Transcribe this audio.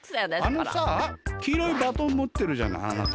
あのさきいろいバトンもってるじゃないあなた。